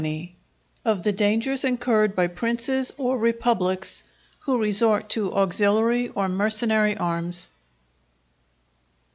—Of the Dangers incurred by Princes or Republics who resort to Auxiliary or Mercenary Arms.